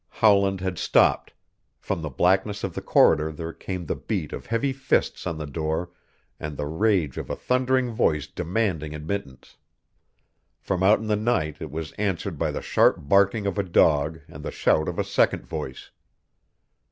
Howland had stopped. From the blackness of the corridor there came the beat of heavy fists on the door and the rage of a thundering voice demanding admittance. From out in the night it was answered by the sharp barking of a dog and the shout of a second voice.